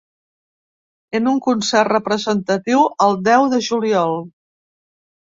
En un concert representatiu el deu de juliol.